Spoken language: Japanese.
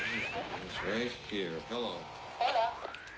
えっ？